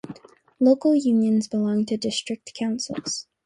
Local unions belong to district councils.